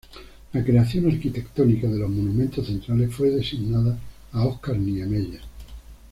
La creación arquitectónica de los monumentos centrales fue designada a Oscar Niemeyer.